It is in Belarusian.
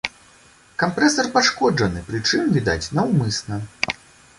Кампрэсар пашкоджаны, прычым, відаць, наўмысна.